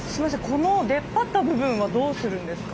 この出っ張った部分はどうするんですか？